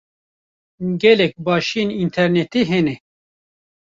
Gelek başiyên înternetê hene.